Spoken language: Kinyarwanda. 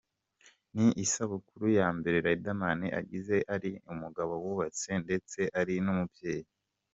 Ni isabukuru ya mbere Riderman agize ari umugabo wubatse, ndetse ari n'umubyeyi.